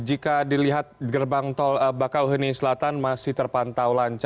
jika dilihat gerbang tol bakauheni selatan masih terpantau lancar